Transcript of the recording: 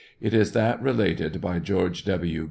It is that related by Geerge W.